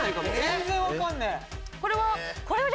全然分かんねえ。